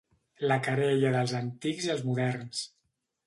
La querella dels antics i els moderns.